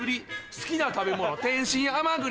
好きな食べ物天津甘栗。